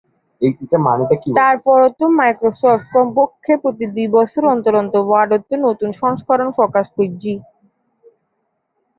তার পর থেকে মাইক্রোসফ্ট কমপক্ষে প্রতি দুই বছর অন্তর ওয়ার্ডের একটি নতুন সংস্করণ প্রকাশ করেছে।